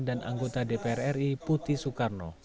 dan anggota dpr ri puti soekarno